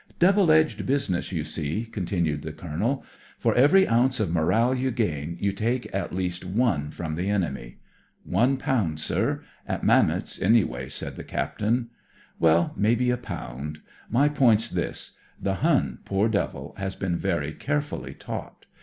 " Double edged business, you see," con tinued the Colonel. " For every ounce of moral you gain you take at least one from the enemy." "One pound, sir; at Mametz, any way," said the Captain. "Well, maybe a pound. My point's this: the Hun poor devil !— has been very carefully taught.